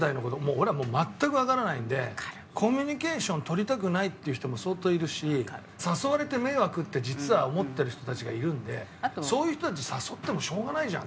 俺はもう全くわからないんでコミュニケーション取りたくないっていう人も相当いるし誘われて迷惑って実は思ってる人たちがいるんでそういう人たち誘ってもしょうがないじゃん。